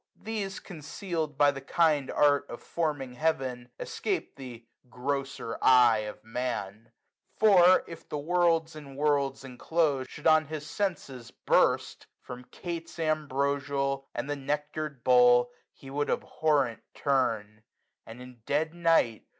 These, concealed By the kind art of forming Heaven, escape The grosser eye of Man : for, if the worlds In worlds inclos'd should on his senses burst. From cates ambrosial, and the nectar'd bowl, 315 He would abhorrent turn ; and in dead night.